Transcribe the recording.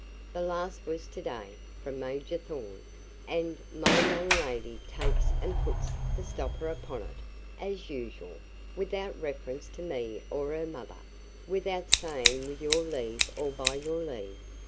The last was to day, from Major Thorn, and, my young lady takes and puts the stopper upon it, as usual, without reference to me or her mother, without saying with your leave or by your leave.